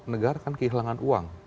negarkan kehilangan uang